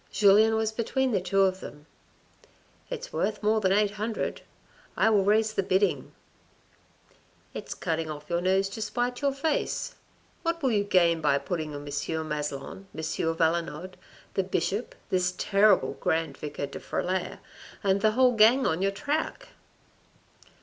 Julien was between the two of them. "It's worth more than eight hundred, I will raise the bidding," " It's cutting off your nose to spite your face. What will you gain by putting M. Maslon, M. Valenod, the Bishop, this terrible Grand Vicar de Frilair and the whole gang on your track."